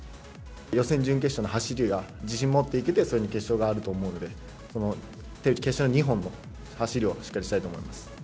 予選、準決勝の走りが自信を持っていけて、そこに決勝があると思うので、この決勝の２本の走りをしっかりしたいと思います。